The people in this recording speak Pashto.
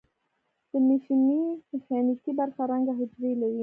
د مشیمیې مخکینۍ برخه رنګه حجرې لري.